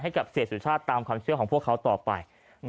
ให้กับเสียสุชาติตามความเชื่อของพวกเขาต่อไป